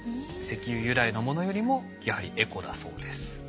石油由来のものよりもやはりエコだそうです。